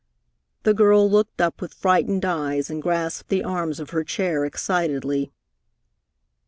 The girl looked up with frightened eyes and grasped the arms of her chair excitedly.